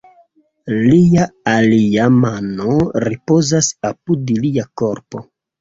Lia alia mano ripozas apud lia korpo.